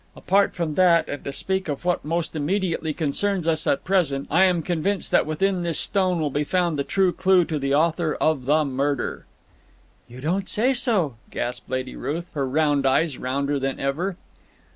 Apart from that, and to speak of what most immediately concerns us at present, I am convinced that within this stone will be found the true clue to the author of the murder." "You don't say so," gasped Lady Ruth, her round eyes rounder than ever.